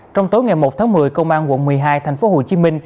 trong tối ngày một tháng một mươi công an quận một mươi hai tp hcm